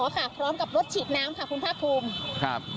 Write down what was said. พร้อมกับรถฉีดน้ำค่ะคุณพระครรภ์